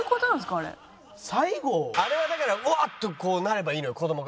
あれはだから「うわっ！」となればいいのよ子どもが。